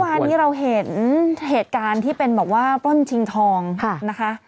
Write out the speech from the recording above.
วันนี้เราเห็นเหตุการณ์ที่เป็นบอกว่าปล้นชิงทองนะคะ